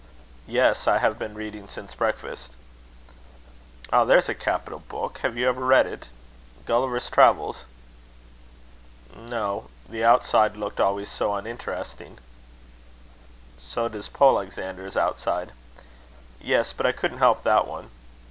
"Yes; I have been reading since breakfast." "Ah! there's a capital book. Have you ever read it Gulliver's Travels?" "No. The outside looked always so uninteresting." "So does Polexander's outside." "Yes. But I couldn't help that one."